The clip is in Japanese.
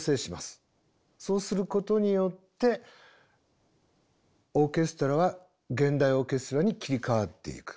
そうすることによってオーケストラは現代オーケストラに切り替わっていく。